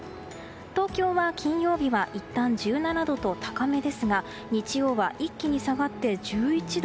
東京は金曜日はいったん１７度と高めですが日曜日は一気に下がって１１度。